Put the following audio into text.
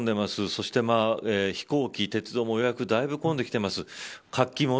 そして飛行機、鉄道も予約だいぶ混んできています。